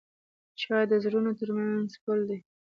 چای د زړونو ترمنځ پل دی.